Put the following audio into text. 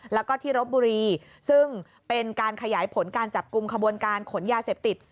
แล้วก็ที่รบบุรีซึ่งเป็นการขยายผลการจับกลุ่มขบวนการขนยาเสพติด